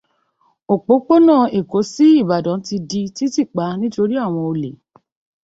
Òpópónà Èkó sí Ìbàdàn ti di títìpa nítorí àwọn olè